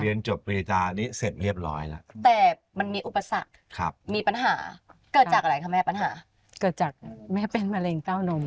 เรียนจบปริศนานี่เสร็จเรียบร้อยแล้ว